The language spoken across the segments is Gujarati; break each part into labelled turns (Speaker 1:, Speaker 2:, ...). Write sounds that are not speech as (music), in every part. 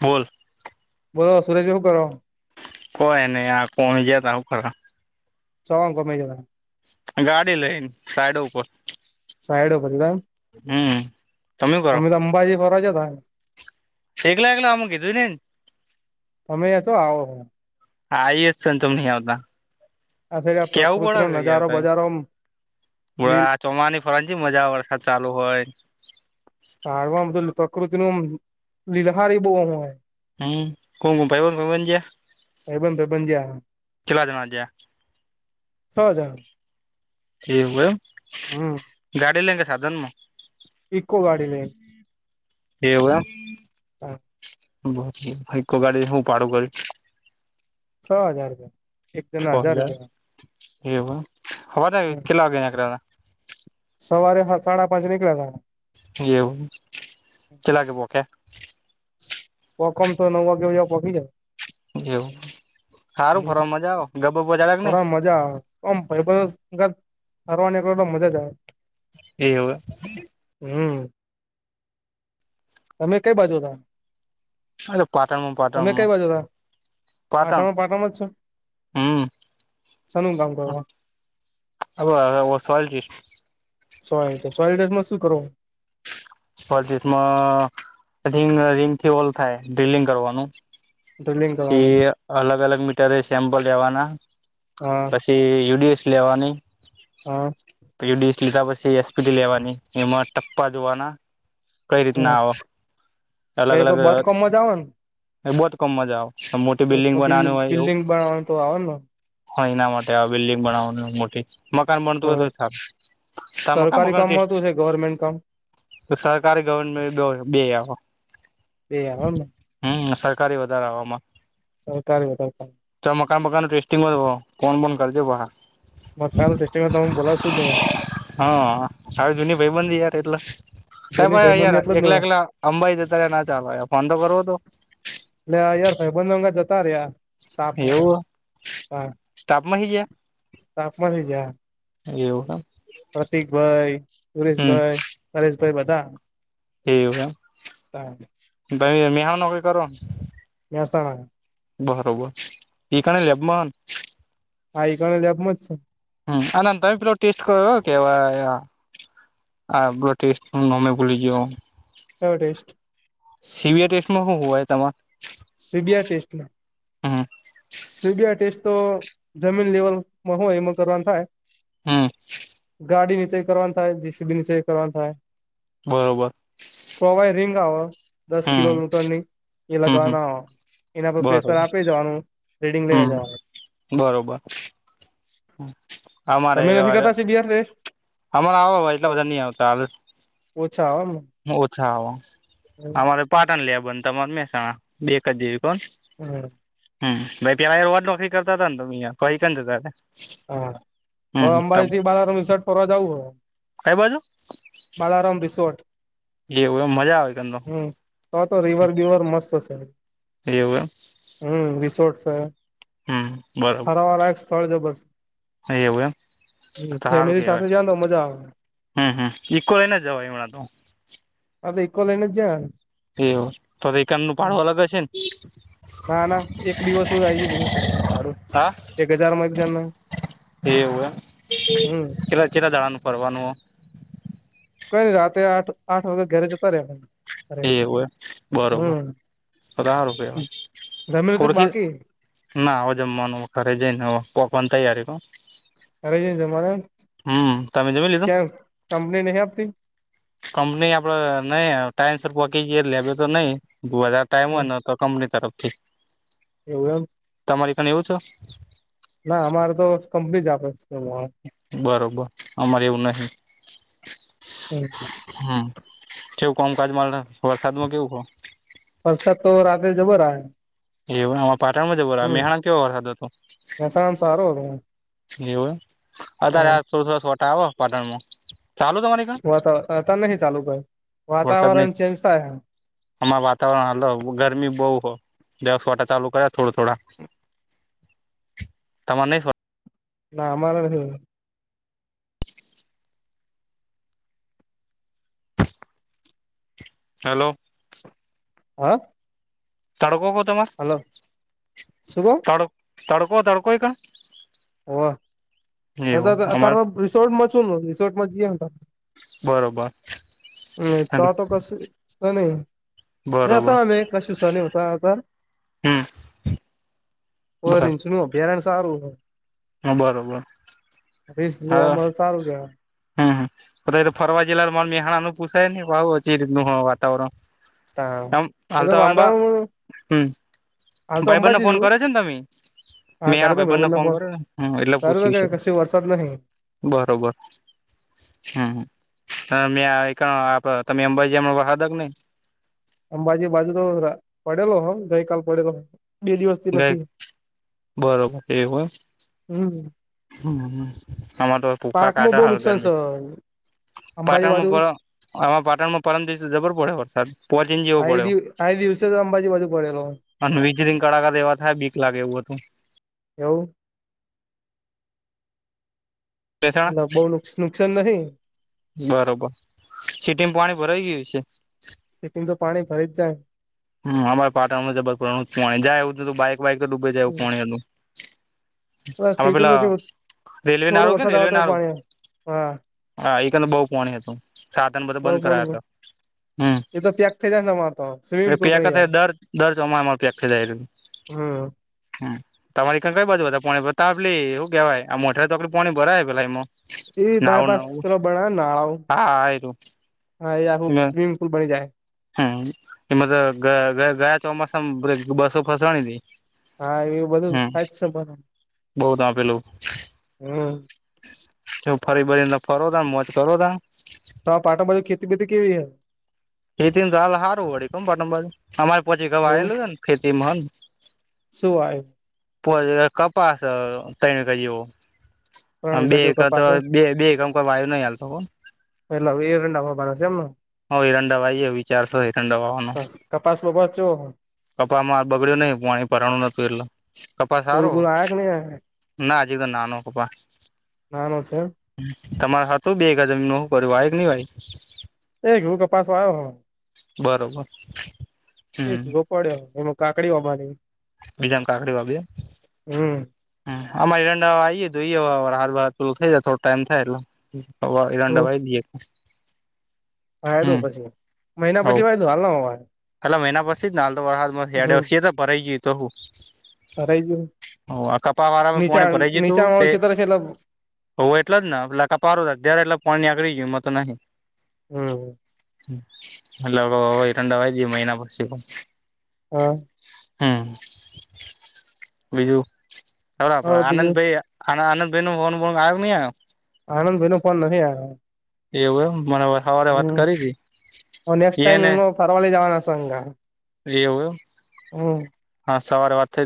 Speaker 1: બોલ
Speaker 2: બોલોસ સુરેજ હું કર
Speaker 1: કો એનેહી આ કોજેતા આવું કર
Speaker 2: સો કોમે જો
Speaker 1: ગાડી લઈને સાઈડ ઉપર
Speaker 2: સાઈડ પરરધા એમ
Speaker 1: હમ તમે કરો
Speaker 2: અમે તો અંબાજી ફરવા જ ત એ
Speaker 1: શગ લાગગલો અમ ગ દધુંન
Speaker 2: તમેયા છો આવો
Speaker 1: આ આવી જ સ તોમ ન આવતા
Speaker 2: આ સાઈડ આ
Speaker 1: કેવું
Speaker 2: પ્રકૃતિનો
Speaker 1: પડે
Speaker 2: નજારો બજારો લીલ
Speaker 1: યાર ત ચોમાની ફરણ મજા વરસાદ ચાલુ હોય
Speaker 2: તાારવાધું પ્રકૃતિ ન લીલહારી બહય
Speaker 1: હમ ઘમકમ પાઈ હનજયા
Speaker 2: ભાઈબંધ ભાઈબંધ જ્યાં
Speaker 1: કેલા જનાજ
Speaker 2: છ હજાર
Speaker 1: એ હોય
Speaker 2: હમ
Speaker 1: ગાડી લેગે સાધનમાં
Speaker 2: ઇકો ગાડી લ
Speaker 1: એવું
Speaker 2: હા
Speaker 1: બાકી ઈકો ગાડી હું ભાડું કરે
Speaker 2: છ હજાર રૂપિયા એક
Speaker 1: છ
Speaker 2: જણા
Speaker 1: હજાર
Speaker 2: રૂપિયા
Speaker 1: એવું હે, હવારે
Speaker 2: હમ
Speaker 1: કેટલા વાગે નેકળ્યા તા?
Speaker 2: સવારે હા સાડા પાંચ નીકળ્યા હતા.
Speaker 1: એવું, કેટલા વાગે પહોક્યા?
Speaker 2: પોકમ તો નવ વાગ્યા (unintelligible) પોકી જાય
Speaker 1: એવું, સારું ફરવામાં મજા આવે? ગબ (unintelligible) કે નઈ?
Speaker 2: ફરવા મજા આવે. ઓમ ભઈબંધો (unintelligible) ફરવા નિકળો તો મજા જ આવે.
Speaker 1: એવું એ
Speaker 2: હમ તમે કઈ બાજુ ના?
Speaker 1: છે ને પાટણમાં
Speaker 2: કઈ
Speaker 1: પાટણમાં
Speaker 2: બાજુ હતા
Speaker 1: પાટણ?
Speaker 2: પાટામાં પાટામાં જ છો
Speaker 1: હમ
Speaker 2: શાનું કામ કરવા
Speaker 1: ઓકે હવે (unintelligible)
Speaker 2: (unintelligible) સોલિટ્સમાં શું કરવું?
Speaker 1: સોલિટિસમાં રિંગ રિંગથી હોલ થાય, ડ્રિલિંગ કરવાનું.
Speaker 2: ડ્રિલિંગ કરવાનું
Speaker 1: પસી અલગ અલગ મીટરે સેમ્પલ લેવાના.
Speaker 2: હા
Speaker 1: એ યુ ડી એસ સી લેવાની.
Speaker 2: હા
Speaker 1: યુ ડી એસ લીધા પછી એસ પી ટી લેવાની, એમાં ટપ્પા જોવાના કઈ રીતના
Speaker 2: હમ
Speaker 1: આવ,
Speaker 2: એ
Speaker 1: અલગ
Speaker 2: તો
Speaker 1: અલગ,
Speaker 2: બાંધકામમાં જ આવે ને
Speaker 1: બહત કમ મજા આવે અ, મોટી બિલ્ડિંગ
Speaker 2: બિલ્
Speaker 1: બનાવાનું હોય એવું
Speaker 2: બિલ્ડિંગ બનાવાનું તો આવે ને
Speaker 1: હ એના માટે આ બિલ્ડિંગ બનાવવાની મોટી મકાન બનતું હોય તો સારું, ત મકાન
Speaker 2: સરકારી
Speaker 1: મકાન
Speaker 2: કામમાં
Speaker 1: ટેસ્ટ
Speaker 2: તો છે ગવર્મેન્ટ કામ
Speaker 1: તો સરકારી ગવરમેન્ટ દો, બે આવ
Speaker 2: બે આવે ને
Speaker 1: હમ્મ, સરકારી વધારે આવે આમાં.
Speaker 2: સરકારી (unintelligible)
Speaker 1: તો મકાન-મકાનનું ટેસ્ટિંગ (unintelligible) ફોન-બોન કરજો પાહા.
Speaker 2: મકાનનું ટેસ્ટિંગ હોય, તમુન બોલાવશું જ ને.
Speaker 1: હઅ, હાવ જૂની ભઈબંધી યાર એટલે,
Speaker 2: જોની
Speaker 1: સાઈ (unintelligible)
Speaker 2: ભાઈબંધ
Speaker 1: યાર
Speaker 2: એટલે જ એટલે
Speaker 1: એકલા-એકલા અંબાઈ છે ત્યારે ના ચાલવાય ફોન તો કરવો હતો
Speaker 2: લે આયર ભાઈ બંધ અંગા જતા રયા સાપ મળે
Speaker 1: એવું
Speaker 2: કા
Speaker 1: સ્ટાફમાં હી ગયા
Speaker 2: સાપ મલી જા
Speaker 1: એવું હમ
Speaker 2: પ્રતિક ભાઈ સુરેશભાઈ પરેશભાઈ બધા
Speaker 1: એવું એમ
Speaker 2: તામ
Speaker 1: ભાઈ અમે આ નોકરી કરું
Speaker 2: મેહસાણા
Speaker 1: બરોબર એ કને લેબમાં
Speaker 2: આ એકાણા લેબમાં જ છે
Speaker 1: હમ આ અને તમે પેલો ટેસ્ટ કયરો કેવાયા આ બ્લોડ ટેસ્ટ નમે ભૂલી ગીયો
Speaker 2: કયો test
Speaker 1: C B I test માં હું હોય તેમાં
Speaker 2: સી બી આઈ ટેસ્ટમાં
Speaker 1: હાં
Speaker 2: સી બી આઈ ટેસ્ટ તો જમીન લેવલમાં હોય એમાં કરવાનું થાય
Speaker 1: હમ
Speaker 2: ગાડી નીચે કરવાની થાય જીસીબી નીચે કરવાની થાય
Speaker 1: બરોબર.
Speaker 2: પ્રોવાઈ રિંગ આવ દસ કિલો
Speaker 1: હમ
Speaker 2: લીટરની એ
Speaker 1: હમ હમ
Speaker 2: લગવાન એના પર પ્રેશર
Speaker 1: બરોબર
Speaker 2: આપે જવાનું રીડિંગ લઈ
Speaker 1: હમ
Speaker 2: જવાનું
Speaker 1: બરોબર અમારે
Speaker 2: તમે નથી
Speaker 1: એવા
Speaker 2: કરતા સીબીઆઈ ટેસ્ટ
Speaker 1: હમાણા આવ એટલા બધા ની આવ સાલસ
Speaker 2: ઓછા આવે
Speaker 1: ઓછા આવ
Speaker 2: એમ.
Speaker 1: અમારે પાટણ લેબન તમાર મેહસાણા બે કેડે પણ
Speaker 2: હા.
Speaker 1: હમ ભાઈ પેલા એવાજ નોકરી કરતા હતા ને તમે અહયા (unintelligible)
Speaker 2: હા હવે અંબાજીથી બાલા રમસર્ટ ફરવા જવું હો
Speaker 1: કઈ બાજુ
Speaker 2: બાલારમ રિસોર્ટ
Speaker 1: એવું એમ મજા આવે કન તો
Speaker 2: હમ તો તો રીવર બીવર મસ્ત છે.
Speaker 1: એવું
Speaker 2: હમ રિસોર્ટ છે,
Speaker 1: એમ હમ બરોબર
Speaker 2: હરાવાળયક સ્થળ જો બસ
Speaker 1: એવું એમ
Speaker 2: હમ
Speaker 1: તો સારું
Speaker 2: ફેમિલી
Speaker 1: કેવાય
Speaker 2: સાથે જાવ ને મજા આવે
Speaker 1: હમ હમ ઇકો લેયને જવાય હમણાં તો
Speaker 2: અબે ઈકો લઈને જા
Speaker 1: એવું તો રેકનનું ભાડું અલગ હશે ને
Speaker 2: ના ના એક દિવસનું જ આય ગયું બધું સારું
Speaker 1: હા
Speaker 2: એક હજારમાં એક જણના
Speaker 1: એવું એમ કેટલા કેટલા દાડાનું ફરવાનું
Speaker 2: કઈ રાતે આઠ આઠ વાગે ઘરે જતા રે
Speaker 1: એવુંય બરોબર બધાર રૂપિયામાં
Speaker 2: જમેલું તો
Speaker 1: કોરખી
Speaker 2: બાકી
Speaker 1: ના હવે જમવાનું ધરે જઈને પોકવાની તૈયારી કો
Speaker 2: ધરે જય જમાવાનુ
Speaker 1: હમ તમે જમી લીધું
Speaker 2: તયા કંપની નહી આપતી
Speaker 1: કંપની આપડે નહી ટાઈમ સર પકી જઈએ લેબે તો નહી વધારે ટાઈમ હોયને તો કંપની તરફથી
Speaker 2: એવુ એમ
Speaker 1: તમારી કને એવું છો?
Speaker 2: ના અમારે તો કંપની જ આપે છે.
Speaker 1: બરોબર અમારે એવું નહી
Speaker 2: હમ.
Speaker 1: હમ કેવું કોમકાજમાં વરસાદમાં કેવું કો
Speaker 2: વરસાદ તો રાત્રે જબર આય
Speaker 1: એવું પાટણમાં (unintelligible) મેહણામા કેવો વરહાદ હતો
Speaker 2: મહેસાણામા સારો હતો
Speaker 1: એવું અત્યારે થોડ સરસ વટા આવો પાટણમાં ચાલુ તમારી કણ
Speaker 2: વાતા અ તનેહી ચાલુ ક વાતાવરણ ચેન્જ થાય
Speaker 1: અમા વાતાવરણ હાલ ગરમી બોવ હો દસ વોટા ચાલુ કર્યા થોડ થોડા તમારે નહી
Speaker 2: ના અમારે
Speaker 1: હાલો.
Speaker 2: હ.
Speaker 1: તડકો કો તમામે
Speaker 2: હલોો શુભ
Speaker 1: તડ તડકો તડકોય ક
Speaker 2: ઓ તાર
Speaker 1: અમાર
Speaker 2: રિસોર્ટમાં છું રિસોર્ટમાં ત અ
Speaker 1: બરોબર
Speaker 2: તો આ તો કસ.
Speaker 1: બરોબર
Speaker 2: (inaudible)
Speaker 1: હમ
Speaker 2: ઓ રીછનુ અભ્યારણ્ય સારું
Speaker 1: હા બરોબર.
Speaker 2: રિસ જોવા
Speaker 1: હા
Speaker 2: મળ સારુ કેવાય
Speaker 1: હમ હમ એ તો ફરવા જિલ્લા મેંહાણા નું પૂસાય ને પાહુ છી રીતનું હ વાતાવરણ
Speaker 2: તા
Speaker 1: એમ
Speaker 2: એ તો
Speaker 1: હાલતા અંબા
Speaker 2: વાતાવરણ
Speaker 1: હમ
Speaker 2: હાલ તો
Speaker 1: ભાઈ બનને
Speaker 2: અંબાજી
Speaker 1: ફોન
Speaker 2: છું
Speaker 1: કર્યો છે ન તમી?
Speaker 2: હા
Speaker 1: મેં
Speaker 2: કરે
Speaker 1: આ
Speaker 2: તો
Speaker 1: ભાઈ બને
Speaker 2: ભાઈબંધને
Speaker 1: ફોન કર્યોને હ એટલે
Speaker 2: તારે તો
Speaker 1: પૂછ્યું
Speaker 2: કે
Speaker 1: છે
Speaker 2: કશ વરસાદ નહી
Speaker 1: બરોબર હમ મેં આપડ તમે અંબાજીમ વહાદક નહી
Speaker 2: અંબાજી બાજુ તો પડેલો હ ગઈ કલ પડેલો બે દિવસ થી
Speaker 1: ગઈ
Speaker 2: નથી
Speaker 1: બરોબર એ હોય
Speaker 2: હમ
Speaker 1: હ આર તો પુખકા
Speaker 2: પાકમાં
Speaker 1: કાઢ
Speaker 2: બહુ નુકસાન
Speaker 1: હાલગરમી
Speaker 2: છે અંબાજી બાજુ
Speaker 1: પાટણમાં આમાં પાટણમાં પરંદ દિવસ જબર પડે વરસાદ પોચીન જેવો
Speaker 2: અહી
Speaker 1: પડ્યો
Speaker 2: દિવ અહી દિવસે તો અંબાજી બાજુ પડેલો
Speaker 1: અને વીજળી કડાકા દ એવા થાય બીક લાગે એવું હતું
Speaker 2: એવ અ બોઉ નુકસાન નહીં.
Speaker 1: બરોબર, સીટીમાં પાણી ભરાઈ ગયું છે.
Speaker 2: સિટીમમા તો પાણી ભરી જ જાય.
Speaker 1: હમ, અમારા પાટણમાં જબર પો પાણી જાય એવું બાઈક વાઈક ડૂબી જાયું
Speaker 2: હમ
Speaker 1: પોણીનું. આમા પેલા
Speaker 2: સિટીમાં તો જો
Speaker 1: રેલ્વે
Speaker 2: થોડો
Speaker 1: નારું કે
Speaker 2: વરસાદ
Speaker 1: રેલ્વે
Speaker 2: આવતો હોય
Speaker 1: નારું.
Speaker 2: પાણી હા.
Speaker 1: હા, એંદર બો પોણી હતું સાધને બધા
Speaker 2: બઉ
Speaker 1: બંધ કરાયા
Speaker 2: પણ
Speaker 1: હતા. હમ.
Speaker 2: એ તો પ્યાગ થઈ જાય ને તમાર તો. સ્વિમિંગ
Speaker 1: (unintelligible)
Speaker 2: પુલ બની જાય હમ
Speaker 1: તમારી ક કઈ બાજુ પાણી ત આપેલી શું કેહેવાય આ મોઢા તો પાણી ભરાયેલા એમાં.
Speaker 2: એ
Speaker 1: નાવું
Speaker 2: બાયપાસ
Speaker 1: નવું
Speaker 2: બ નાળાઓ
Speaker 1: હા એરું
Speaker 2: હા એ આખું સ્વિમિંગ પુલ બની જાય.
Speaker 1: હમ, એમા તો ગયા ચોમાસામાં બસો ફસવાની હતી.
Speaker 2: હા, એવું બધું
Speaker 1: હમ
Speaker 2: થાય જ છે બન
Speaker 1: બઉ તા પેલું
Speaker 2: હમ.
Speaker 1: ફરી બરીને ફરો તા મોજ કરો તા.
Speaker 2: તો આ પાટણ બાજુ ખેતી બેતી કેવી હૈ.
Speaker 1: ખેતી ને તો હાલ સારું વડે કેમ પટનબ અમારે પછી ગવા
Speaker 2: એવું
Speaker 1: આયલું છે ને ખેતી માં હ ને.
Speaker 2: શું વાયુ?
Speaker 1: પુલ ને કપાસ (unintelligible) મ
Speaker 2: પ્રાણી
Speaker 1: બે
Speaker 2: કજો
Speaker 1: એકમ
Speaker 2: કપાસ હે
Speaker 1: બે બે એકમ કો વાયુ નહી હાલતો.
Speaker 2: એટલા (unintelligible)
Speaker 1: હ હઈરંડા વાઈ વિચારશો હઇરંડા વાવાનું.
Speaker 2: કપાસ બપાસ જો
Speaker 1: ખભામાં હાથ બગડ્યું નઈ પાણી ભરવાનું તું એટલે. કપાસ
Speaker 2: ફૂલ
Speaker 1: સારું
Speaker 2: બૂલ આયા કે નહી
Speaker 1: ના હજુ તો નાનો કપા
Speaker 2: નાનો છે એમ.
Speaker 1: તમાર હતુ બે એકા જમીન નું કર્યું નઈ ભાઈ.
Speaker 2: એક ઘું કપાસ આયો હો.
Speaker 1: બરોબર,
Speaker 2: એક
Speaker 1: હમ.
Speaker 2: વીઘો પડ્યો એમાં કાકડીઓમારી.
Speaker 1: બજાને કાકડી વાબી.
Speaker 2: હમ.
Speaker 1: હ અમારી રંડાવા આઈએે તો હ હથ બ પેલું થઈ જાય થોડો ટાઈમ થાય એટલે. (unintelligible)
Speaker 2: હ એ દો
Speaker 1: હમ
Speaker 2: પછી મહિના પછી વાય દ હાલ ના.
Speaker 1: એલા મહિના પછથી જ ના તોડ
Speaker 2: હમ
Speaker 1: વર્ષી તો પરરાય જતો હું.
Speaker 2: ધરાઈ ગયું
Speaker 1: હ આ કપા વાળામાં પાણી
Speaker 2: નીચાણ
Speaker 1: ભરા જ તું
Speaker 2: નીચાણ વાળું
Speaker 1: તે
Speaker 2: ક્ષેત્ર છે એટલે
Speaker 1: હો એટલે જ ને એ પારો જ્યારે એટલે પાણી આકળી ગયમાં તો નહીં
Speaker 2: હમ
Speaker 1: એટલે (unintelligible) મહિના પછી પણ
Speaker 2: હા.
Speaker 1: હમ, બીજું હ આનંદભાઈ (unintelligible)
Speaker 2: આનંદભાઈ નો ફોન નથી આયો.
Speaker 1: એવું એમ મને સવારે વાત કરી હતી એને
Speaker 2: પરવાલે જવાના સંગા.
Speaker 1: એવુ એમ.
Speaker 2: હમ.
Speaker 1: હા, સવારે વાત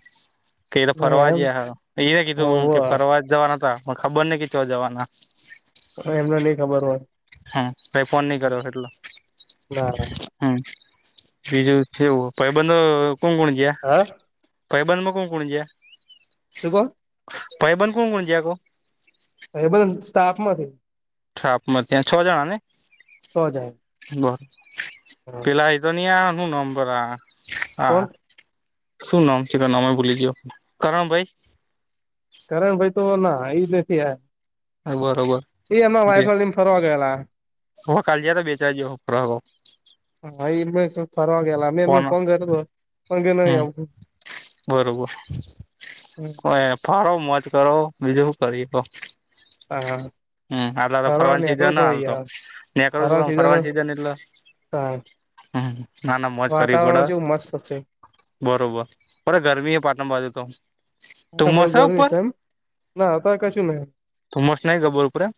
Speaker 1: (unintelligible) કેથે
Speaker 2: નહી
Speaker 1: ફરવા
Speaker 2: એમ
Speaker 1: જીયા હ (unintelligible)
Speaker 2: હોવ
Speaker 1: ખબર નઈ કે કા જવાના.
Speaker 2: એમને નઈ ખબર હોય
Speaker 1: હા, ભાઈ ફોન ની કર્યો એટલો.
Speaker 2: ના
Speaker 1: હા બીજું છેવું પાઈબંધ કોણ કોણ ગયા
Speaker 2: હા
Speaker 1: પૈબંધમાં કો કોણ જ્યા
Speaker 2: શભો
Speaker 1: પાઈબંધ કોણ કોણ છે આ કોો
Speaker 2: એ બધા સ્ટાફમાંથી
Speaker 1: છાપ મતી્યા છ જણા ને
Speaker 2: સો જાય
Speaker 1: બરોબર
Speaker 2: હા
Speaker 1: ત તો ન આું નંબર હ હા
Speaker 2: કોણ
Speaker 1: શું નામ છે નામાય બોલી જયો કરણ ભાઈ
Speaker 2: કરણ ભાઈ તો ના એજ જ નથી
Speaker 1: બરોબર
Speaker 2: એ એમના વાઈફ ને લઈને ફરવા ગયેલા
Speaker 1: હ કાલ જ તો બેચજરા
Speaker 2: હ ફરવા ગયાલા અમે એમને ફોન કર્યો હતો પણ કે નહી
Speaker 1: હમ
Speaker 2: આવું
Speaker 1: બરોબર કો ફાળો મોજ કરો બીજું શું કરી
Speaker 2: હા
Speaker 1: હમ આટલા તો
Speaker 2: ફરવા
Speaker 1: ફરવાન સીધ
Speaker 2: નીકળવું
Speaker 1: ના
Speaker 2: પડે
Speaker 1: હાલતો
Speaker 2: યાર
Speaker 1: ં કર છ
Speaker 2: ફરવા સીઝન
Speaker 1: ફરવાનું સીધ એટલે હ ના ના મોજ કર પડ
Speaker 2: વાતાવરણ કેવું મસ્ત છે
Speaker 1: બરોબર અરા ગરમી એ પાટણ બાજ તો ધુમ્મસ
Speaker 2: આાારું ન
Speaker 1: ઉપર
Speaker 2: સા એમ ના ત કશું નને
Speaker 1: તમસ નહી ગબોર પુરા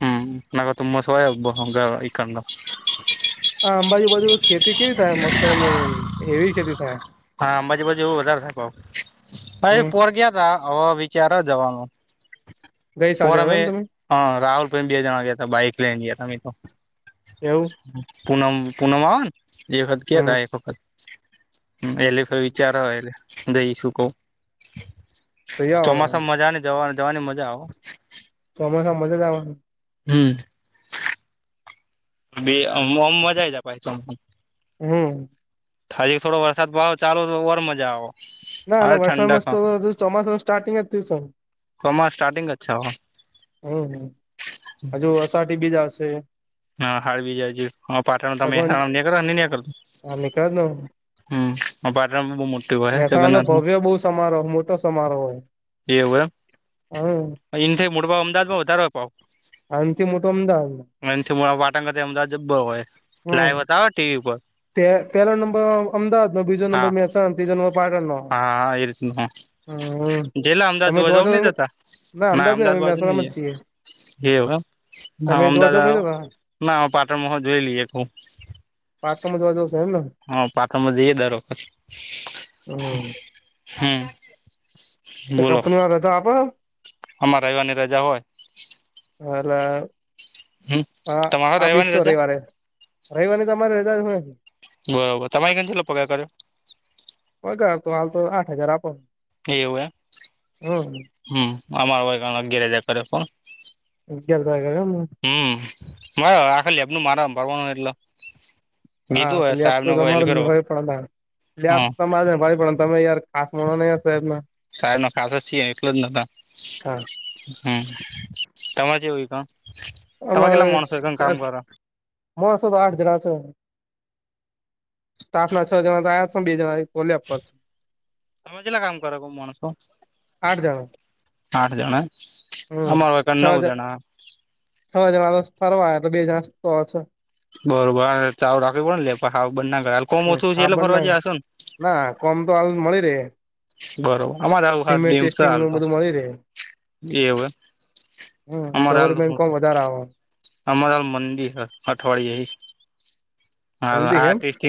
Speaker 1: હમ નાગ તમ સવાય હ ઈ કડ
Speaker 2: હા અંબાજુ બાજુ ખેતી કેવી થાય મકાઈ ની એવી ખેતી થાય
Speaker 1: હા બાજુ બાજુ એવું વધારે થ ક હ
Speaker 2: હમ
Speaker 1: પોર ગયા તા હવે વિચારો જવાનું
Speaker 2: ગઈ
Speaker 1: પો
Speaker 2: સાલ જતા
Speaker 1: અમે
Speaker 2: ને તમે
Speaker 1: હ રાહુલ પ્રે બે જણા ગયા હતા બાઈક લઈને ગયા ત અમે તો
Speaker 2: એવું
Speaker 1: પૂનમ પૂનમન જેવ ખાત કે
Speaker 2: હમ
Speaker 1: રાાય વ ખત એલે ભ વિચાર આવેય એટલે જઈશું કઉ
Speaker 2: જઈ આવો તમે
Speaker 1: ચોમાસામાં મજા ને જવા જવાની મજા આવે
Speaker 2: સમસા મજા જવાને
Speaker 1: હમ બેમ મજા જ પમ
Speaker 2: હમ
Speaker 1: થજી થોડો વરસાદ ભાવ ચાલુ તો ઓર મજા આવ
Speaker 2: ના આતો વરસાદ મસ્તો ચોમાસું સ્ટાર્ટિંગ જ થયું છન
Speaker 1: કમા સ્ટારિંગ જ છ હ.
Speaker 2: હમ હજુ અસાઢી બીજ આવશે.
Speaker 1: હા હાડવી જાયજ પાઠણ
Speaker 2: ભગવાન
Speaker 1: તમેસા નીકળ ન નીકળ
Speaker 2: હા નીકળે જ ને
Speaker 1: હમ બાર બમટ
Speaker 2: મહેસાણા તો ભવ્ય બહુ સમારોહ મોટો સમારોહ હો.
Speaker 1: એવું એમ એથી મડભાવ અમદાવાદમાં વધારો ભાવ.
Speaker 2: આથી મોટો. અમદાવાદ.
Speaker 1: એથી મોટો પાટણ કાથી અમદાવાદ જબર હોય લાઈવ વતાવે ટીવી પર.
Speaker 2: પેલો નંબર અમદાવાદ નો બીજો નંબર
Speaker 1: હા
Speaker 2: મેહેસા. બીજો નંબર પાટણનો
Speaker 1: હા એ રીતનું હા જેટલા અમદાવાદ
Speaker 2: તમે જોવા
Speaker 1: જવ નહી
Speaker 2: જવાને.
Speaker 1: જતા
Speaker 2: ના અમદાવાદ ને અમે મેશાળા માં છીએ.
Speaker 1: એવું હ
Speaker 2: તમે જોવા
Speaker 1: અમદાવાદ
Speaker 2: જાવ
Speaker 1: આયો
Speaker 2: નહી જતા
Speaker 1: ના પાટણમાં હો જોઈ લઈએ.
Speaker 2: પાટણ માં જોવા જવું સે એમ ને.
Speaker 1: હા પાટણમા જઈએ દર વખત
Speaker 2: હમ
Speaker 1: હમ્મ.
Speaker 2: તે કંપની વારા રજા આપે હ.
Speaker 1: અમાર રવિવારની રજા હોય.
Speaker 2: હલા.
Speaker 1: હમ
Speaker 2: હા
Speaker 1: તમારે
Speaker 2: આ બી
Speaker 1: રવિવારની
Speaker 2: છો
Speaker 1: રજા
Speaker 2: રવિવારે હે રવિવારની તમારી રજા જ હોય.
Speaker 1: બરોબર તમારે કને કેટલો પગાર કર્યો.
Speaker 2: પગાર તો આવતો આઠ હજાર આપો.
Speaker 1: એવું એમ
Speaker 2: હમ
Speaker 1: હમ્મ અમાર ઓયકણ અગિયાર હજાર કર્યો કોન.
Speaker 2: જલસા કર્યો માં.
Speaker 1: હમ્મ મારે આખા લેબનુ માર હભાળવાનુ એટલે. કીધું
Speaker 2: હા
Speaker 1: હોય
Speaker 2: લેબ
Speaker 1: સાહેબ નો હેલ
Speaker 2: તમારે
Speaker 1: કરો
Speaker 2: હંભાળવી પડેન તાણ લેબ
Speaker 1: હા
Speaker 2: તમારેન હંભળવી પડે તમે યાર (inaudible) (unintelligible) (unintelligible)
Speaker 1: સાહેબ નો ખાસ જ છીએ એટલે જ નોતા.
Speaker 2: હા
Speaker 1: તમાર ચેવું કામ. તમે કેટલા
Speaker 2: અમારે
Speaker 1: માણસો એકમ
Speaker 2: ચા
Speaker 1: કામ કરો
Speaker 2: માણસો તો આઠ જણા છે. સ્ટાફ ના છ જણા તો આયા છે બે જણા એ.
Speaker 1: તમે કેટલા કામ કરો માણસો
Speaker 2: આઠ જણા
Speaker 1: આઠ જણા
Speaker 2: હમ
Speaker 1: અમોર
Speaker 2: છ
Speaker 1: કને નવ જણા.
Speaker 2: છ જના તો ફરવા આયા બે જણા ઓય છ
Speaker 1: બરોબર ચાલુ રાખવી પણ લેબ કોય હાવ બંન ના કરાય કોમ
Speaker 2: હમ
Speaker 1: ઓછું છે
Speaker 2: હા
Speaker 1: એટલે ફરવા
Speaker 2: બના
Speaker 1: જ્યા હસો ન.
Speaker 2: ના કોમ તો હાલ મળી રે.
Speaker 1: બરોબર આમાર હાલ
Speaker 2: સિમેન્ટ
Speaker 1: ડીમ છે
Speaker 2: ટેસ્ટિંગ
Speaker 1: હાલ
Speaker 2: નું
Speaker 1: તો
Speaker 2: બધું મળી રહે
Speaker 1: એવુ એમ.
Speaker 2: હમ્મ ગવર્મેન્ટ કોમ વધારે આવ.
Speaker 1: અમાર મંદિર હ અઠવાડિયે હિ હા
Speaker 2: સમજી
Speaker 1: આ
Speaker 2: એમ
Speaker 1: ટેસ્ટી.